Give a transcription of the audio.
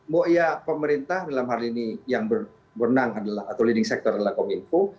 mau iya pemerintah yang berenang atau leading sector adalah kominfo